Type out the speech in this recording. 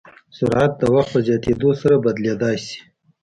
سرعت د وخت په زیاتېدو سره بدلېدای شي.